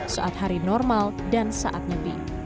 saat hari normal dan saat nyepi